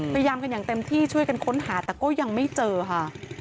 พยายามกันอย่างเต็มที่ช่วยกันค้นหาแต่ก็ยังไม่เจอค่ะ